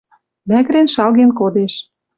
Мӓгӹрен шалген кодеш.